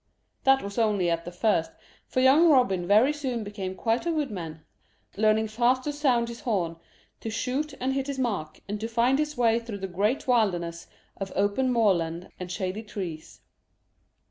That was only at the first, for young Robin very soon became quite a woodman, learning fast to sound his horn, to shoot and hit his mark, and to find his way through the great wilderness of open moorland and shady trees.